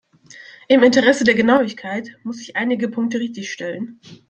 Im Interesse der Genauigkeit muss ich einige Punkte richtigstellen.